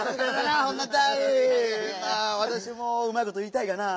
わたしもうまいこといいたいがなぁ。